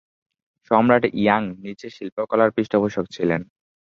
সম্রাট ইয়াং নিজে শিল্পকলার পৃষ্ঠপোষক ছিলেন।